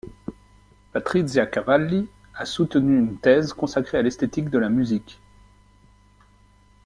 Patrizia Cavalli a soutenu une thèse consacrée à l'esthétique de la musique.